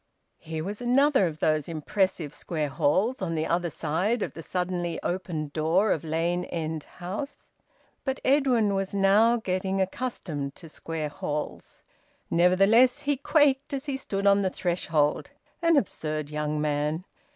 Here was another of those impressive square halls, on the other side of the suddenly opened door of Lane End House. But Edwin was now getting accustomed to square halls. Nevertheless he quaked as he stood on the threshold. An absurd young man!